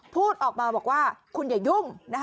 พูดออกมาบอกว่าคุณอย่ายุ่ง